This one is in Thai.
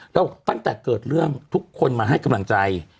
แล้วบอกตั้งแต่เกิดเรื่องทุกคนมาให้กำลังใจ